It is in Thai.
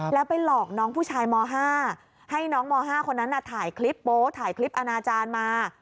แล้วไปหลอกน้องผู้ชายม๕ให้น้องม๕คนนั้นถ่ายคลิปโป๊ถ่ายคลิปอนาจารย์มา